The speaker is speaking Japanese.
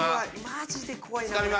マジで怖い。